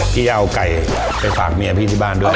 พี่จะเอาไก่ไปฝากเมียพี่ที่บ้านด้วย